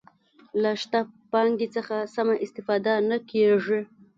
له شته پانګې څخه سمه استفاده نه کیږي.